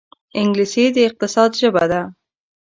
انګلیسي د اقتصاد ژبه ده